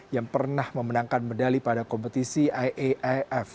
yang pernah memenangkan medali pada kompetisi iaaf